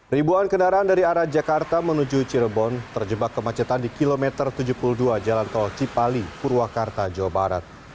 ribuan kendaraan dari arah jakarta menuju cirebon terjebak kemacetan di kilometer tujuh puluh dua jalan tol cipali purwakarta jawa barat